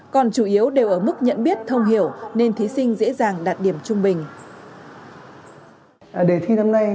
còn chủ yếu đều ở mức nhận biết thông hiểu nên thí sinh dễ dàng đạt điểm trung bình